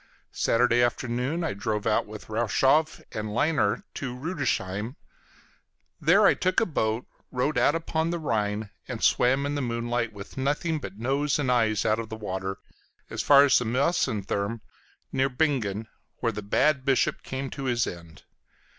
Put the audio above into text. Saturday afternoon I drove out with Rochow and Lynar to Rüdesheim; there I took a boat, rowed out upon the Rhine, and swam in the moonlight, with nothing but nose and eyes out of the water, as far as the Mäusethürm near Bingen, where the bad bishop came to his end.